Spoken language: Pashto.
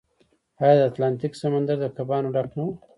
آیا د اتلانتیک سمندر د کبانو ډک نه و؟